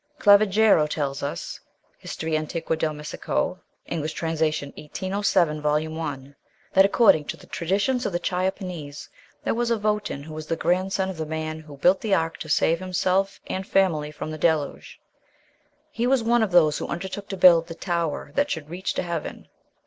Clavigero tells us ("Hist. Antiq. del Messico," Eng. trans., 1807, vol. i.) that according to the traditions of the Chiapenese there was a Votan who was the grandson of the man who built the ark to save himself and family from the Deluge; he was one of those who undertook to build the tower that should reach to heaven.